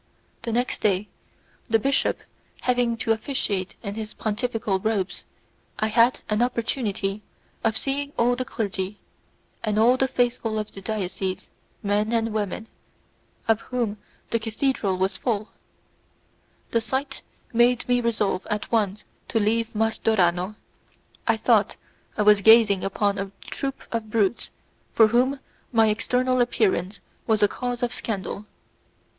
The next day, the bishop having to officiate in his pontifical robes, I had an opportunity of seeing all the clergy, and all the faithful of the diocese, men and women, of whom the cathedral was full; the sight made me resolve at once to leave Martorano. I thought I was gazing upon a troop of brutes for whom my external appearance was a cause of scandal.